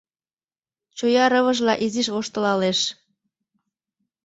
Чоя рывыжла изиш воштылалеш: